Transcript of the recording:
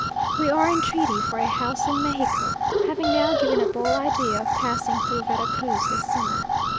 We are in treaty for a house in Mexico, having now given up all idea of passing through Vera Cruz this summer.